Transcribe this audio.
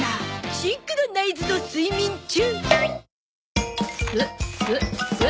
シンクロナイズド睡眠中。